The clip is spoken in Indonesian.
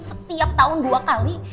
setiap tahun dua kali